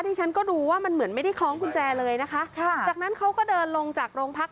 ที่ฉันก็ดูว่ามันเหมือนไม่ได้คล้องกุญแจเลยนะคะค่ะจากนั้นเขาก็เดินลงจากโรงพัก